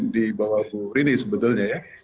di bawah bu rini sebetulnya ya